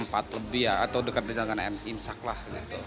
lebih baik jam empat an lebih ya atau dekat dengan imsak lah gitu